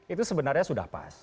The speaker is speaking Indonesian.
itu sebenarnya sudah pas